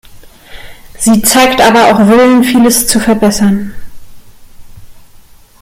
Sie zeigt aber auch Willen, vieles zu verbessern.